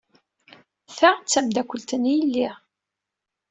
Ta d tameddakelt n yelli.